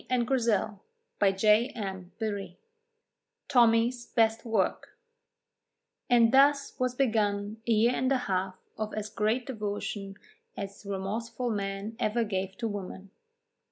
CHAPTER XXXII TOMMY'S BEST WORK And thus was begun a year and a half of as great devotion as remorseful man ever gave to woman.